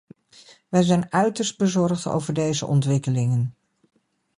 Wij zijn uiterst bezorgd over deze ontwikkelingen.